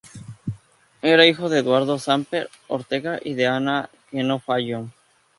Era hijo de Eduardo Samper Ortega y de Ana Gnecco Fallon.